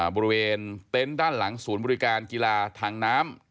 บริเวณเต็นต์ด้านหลังศูนย์บริการกีฬาทางน้ำ